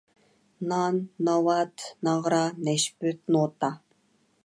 نان، ناۋات، ناغرا، نەشپۈت، نوتا.